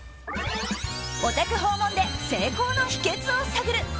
お宅訪問で成功の秘訣を探る。